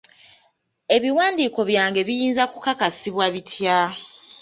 Ebiwandiiko byange biyinza kukakasibwa bitya?